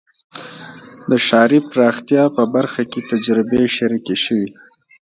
د ښاري پراختیا په برخه کې تجربې شریکې شوې.